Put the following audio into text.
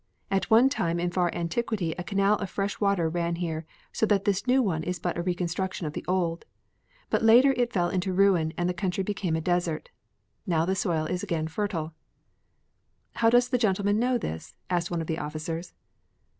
At one time in far antiquity a canal of fresh water ran here so that this new one is but a reconstruction of the old. But later it fell into ruin and the country became a desert. Now the soil again is fertile." "How does the gentleman know this?" asked one of the officers.